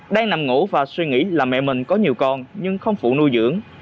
đang nằm ngủ và suy nghĩ là mẹ mình có nhiều con nhưng không phụ nuôi dưỡng